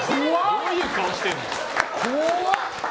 どういう顔してるんだよ。